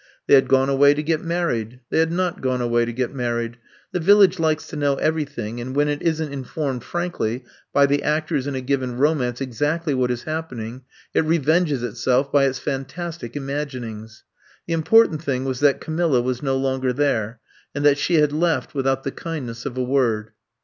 They had gone away to get married; they had not gone away to get married. The Village Ukes to know every thing, and when it isn't informed frankly by the actors in a given romance exactly what is happening, it revenges itself by its fantastic imaginings. The important thing was that Camilla was no longer there, and that she had left without the kindness of a word.